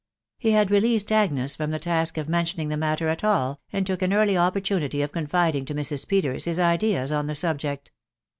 He had released Agnes from the task of mentioning the matter at all, and took an early opportunity of confiding to Mrs. Peters his ideas on the subject.